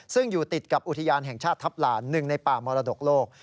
ซึ่งอยู่ติดกับอุทยานแห่งชาติทัพลาน๑ในป่ามรดกโลก